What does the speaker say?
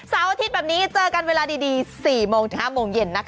อาทิตย์แบบนี้เจอกันเวลาดี๔โมงถึง๕โมงเย็นนะคะ